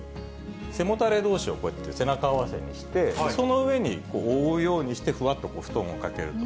背もたれどうしをこうやって背中合わせにして、その上に覆うようにしてふわっと布団をかけると。